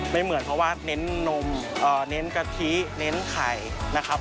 ไม่เหมือนเพราะว่าเน้นนมเน้นกะทิเน้นไข่นะครับ